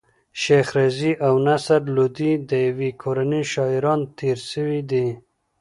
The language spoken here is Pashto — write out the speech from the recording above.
شېخ رضي او نصر لودي د ېوې کورنۍ شاعران تېر سوي دي.